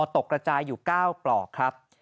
กระจายอยู่๙ปลอกครับ